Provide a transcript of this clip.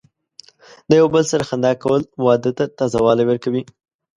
د یو بل سره خندا کول، واده ته تازه والی ورکوي.